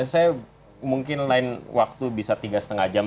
saya mungkin lain waktu bisa tiga lima jam